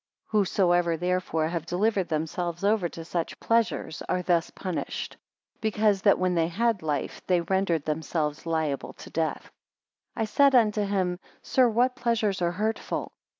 38 Whosoever therefore have delivered themselves over to such pleasures, are thus punished; because that when they had life, they rendered themselves liable to death. 39 I said unto him; Sir, what pleasures are hurtful?